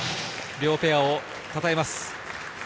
両ペアを称えます。